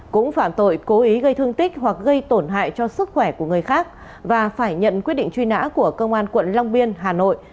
cũng phạm tội cố ý gây thương tích hoặc gây tổn hại cho sức khỏe của người khác và phải nhận quyết định truy nã của công an quận long biên hà nội